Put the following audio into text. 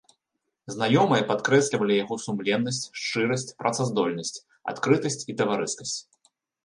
Знаёмыя падкрэслівалі яго сумленнасць, шчырасць, працаздольнасць, адкрытасць і таварыскасць.